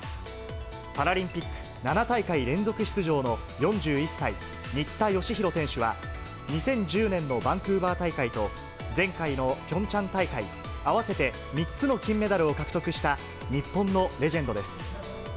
パラリンピック７大会連続出場の４１歳、新田佳浩選手は、２０１０年のバンクーバー大会と、前回のピョンチャン大会、合わせて３つの金メダルを獲得した日本のレジェンドです。